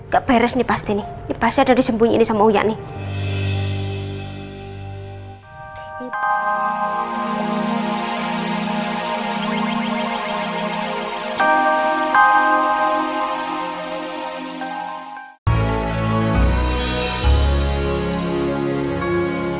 gak beres nih pasti nih ini pasti ada disembunyiin sama uyak nih